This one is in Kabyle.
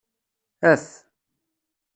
Af.